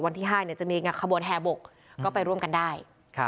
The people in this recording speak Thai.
วันที่๕จะมีขบวนแห่บกก็ไปร่วมกันได้